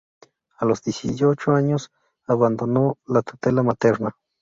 A los dieciocho años abandonó la tutela materna.